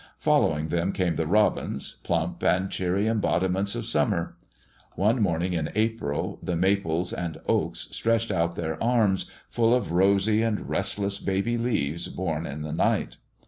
Following them came the robins, plump and cheery embodiments of summer. One morning in April the maples and oaks stretched out their arms, full of rosy and restless baby leaves born in the night.